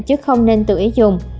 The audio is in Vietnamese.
chứ không nên tự ý dùng